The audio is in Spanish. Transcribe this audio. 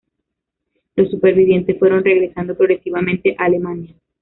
Los supervivientes fueron regresando progresivamente a Alemania.